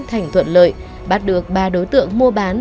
thuận lợi bắt được ba đối tượng mua bán